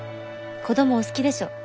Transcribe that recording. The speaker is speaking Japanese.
子供お好きでしょ？